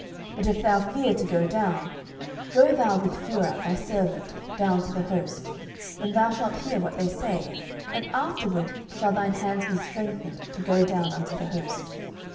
07:007:010 But if thou fear to go down, go thou with Phurah thy servant down to the host: 07:007:011 And thou shalt hear what they say; and afterward shall thine hands be strengthened to go down unto the host.